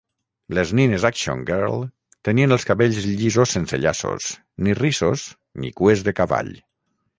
Les nines Action Girl tenien els cabells llisos sense llaços, ni rissos ni cues de cavall.